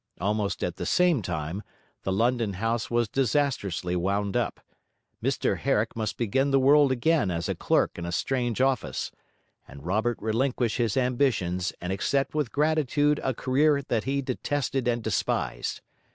Almost at the same time, the London house was disastrously wound up; Mr Herrick must begin the world again as a clerk in a strange office, and Robert relinquish his ambitions and accept with gratitude a career that he detested and despised.